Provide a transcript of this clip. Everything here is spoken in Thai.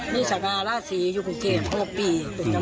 นี่สังงาน่าสี่อยู่กรุงเทพ๖ปี